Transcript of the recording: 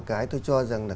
cái tôi cho rằng là